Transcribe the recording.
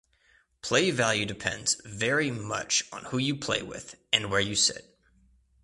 Play value depends "very" much on who you play with (and where you sit)!